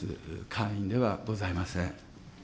会員ではございません。